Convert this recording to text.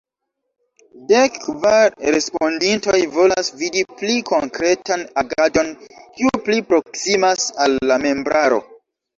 Dek kvar respondintoj volas vidi pli konkretan agadon kiu pli proksimas al la membraro.